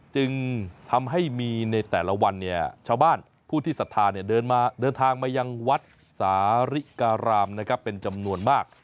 จึงทำให้มีในแต่ละวันเนี่ยชาวบ้านผู้ที่ศรัทธาเดินทางมายังวัดสาริการามเป็นจำนวนมาก